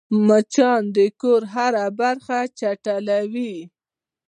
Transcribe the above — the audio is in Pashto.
مچان د کور هره برخه چټلوي